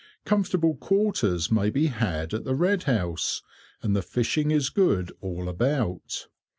Comfortable quarters may be had at the Red House, and the fishing is good all about.